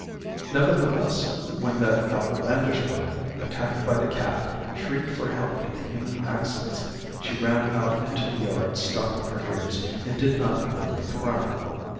Nevertheless, when that outlandish bird, attacked by the cat, shrieked for help in human accents, she ran out into the yard stopping her ears, and did not prevent the crime.